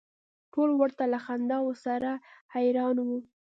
ټول ورته له خنداوو سره حیران و.